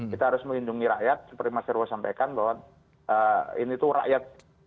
kita harus melindungi rakyat seperti mas sirwo sampaikan bahwa ini tuh rakyat